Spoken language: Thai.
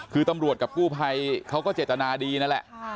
คือตำรวจกับกู้ภัยเขาก็เจตนาดีนั่นแหละ